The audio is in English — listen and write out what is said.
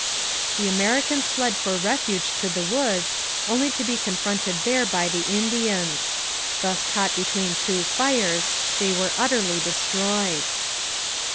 The Americans fled for refuge to the woods, only to be confronted there by the Indians. Thus caught between two fires, they were utterly destroyed.